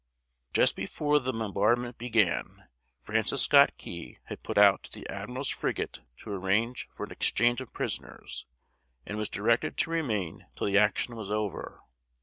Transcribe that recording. Just before the bombardment began, Francis Scott Key had put out to the admiral's frigate to arrange for an exchange of prisoners, and was directed to remain till the action was over.